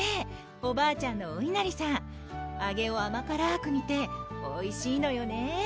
おばあちゃんのおいなりさんあげを甘辛くにておいしいのよね